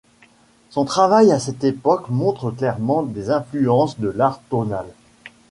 Son travail de cette époque montre clairement des influences de l’art tonal.